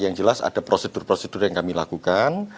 yang jelas ada prosedur prosedur yang kami lakukan